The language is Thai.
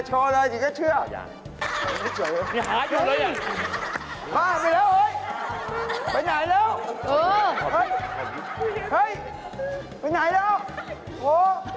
โปรดติดตามตอนต่อไป